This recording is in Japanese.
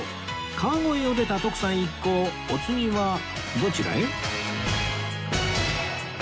川越を出た徳さん一行お次はどちらへ？